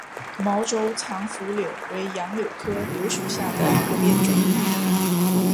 毛轴藏匐柳为杨柳科柳属下的一个变种。